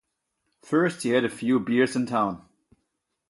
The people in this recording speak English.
First he had a few beers in town.